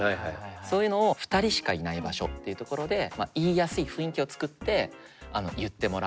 そういうのを２人しかいない場所っていう所で言いやすい雰囲気を作って言ってもらう。